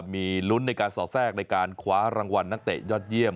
มีลุ้นในการสอดแทรกในการคว้ารางวัลนักเตะยอดเยี่ยม